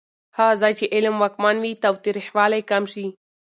هغه ځای چې علم واکمن وي، تاوتریخوالی کم شي.